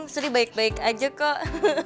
suri baik baik aja kok